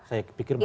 saya pikir merugi